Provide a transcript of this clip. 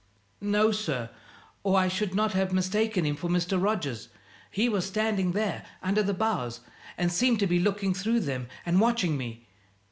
"No, sir, or I should not have mistaken him for Mr. Rogers. He was standing there, under the boughs, and seemed to be looking through them and watching me.